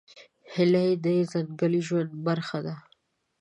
هیلۍ د ځنګلي ژوند برخه ده